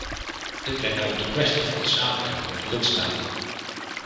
Dit brengt mij op de kwestie van de samenwerking met de lidstaten.